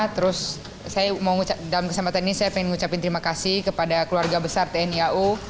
terus saya mau dalam kesempatan ini saya ingin mengucapkan terima kasih kepada keluarga besar tni au